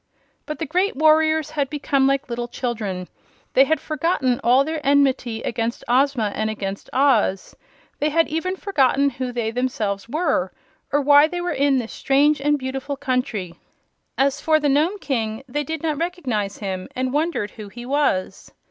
But the great warriors had become like little children. They had forgotten all their enmity against Ozma and against Oz. They had even forgotten who they themselves were, or why they were in this strange and beautiful country. As for the Nome King, they did not recognize him, and wondered who he was.